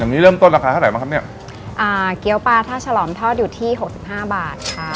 นี้เริ่มต้นราคาเท่าไหร่บ้างครับเนี้ยอ่าเกี้ยวปลาท่าฉลอมทอดอยู่ที่หกสิบห้าบาทค่ะ